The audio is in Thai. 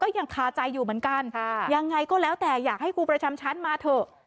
ยังไงก็แล้วแต่อยากให้ครูประชำชั้นมาเถอะ